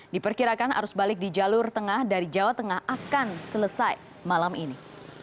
diperkirakan arus balik di jalur tengah dari jawa tengah akan selesai malam ini